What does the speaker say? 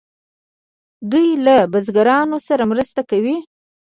دوی له بزګرانو سره مرسته کوي.